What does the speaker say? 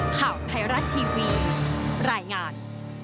ข่าวไทยรัฐทีวีรายงาน